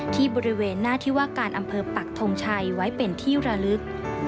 ที่บริเวณหน้าที่ว่าการอำเภอปักทงชัยไว้เป็นที่ระลึก